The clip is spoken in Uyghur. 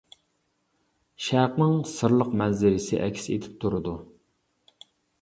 شەرقنىڭ سىرلىق مەنزىرىسى ئەكس ئېتىپ تۇرىدۇ.